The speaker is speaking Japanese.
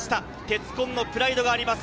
鉄紺のプライドがあります。